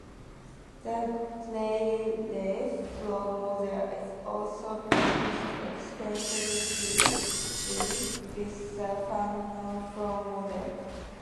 The Rayleigh flow model is also used extensively with the Fanno flow model.